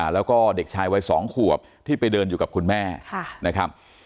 แล้วก็เด็กชายวัย๒ขวบที่ไปเดินอยู่กับคุณแม่นะครับ